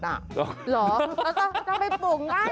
เหรอแล้วต้องไปปลูกง่าย